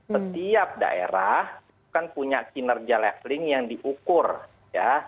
setiap daerah kan punya kinerja leveling yang diukur ya